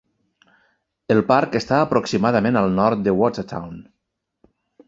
El parc està aproximadament al nord de Watertown.